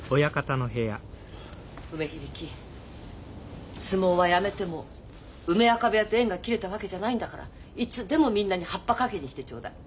梅響相撲はやめても梅若部屋と縁が切れたわけじゃないんだからいつでもみんなにハッパかけに来てちょうだい。